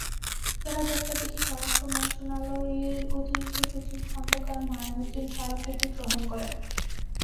বেলা দেড়টার দিকে স্বরাষ্ট্র মন্ত্রণালয়ের অতিরিক্ত সচিব খন্দকার মাঈনুদ্দিন স্মারকলিপি গ্রহণ করেন।